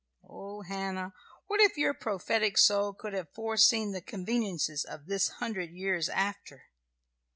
Oh, Hannah, what if your prophetic soul could have foreseen the conveniences of this hundred years after!